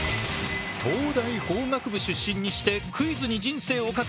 東大法学部出身にしてクイズに人生を懸ける男